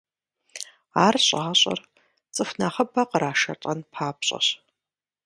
Ар щӀащӀэр цӀыху нэхъыбэ кърашалӀэн папщӏэщ.